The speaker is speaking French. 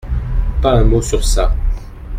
Pas un mot sur ça.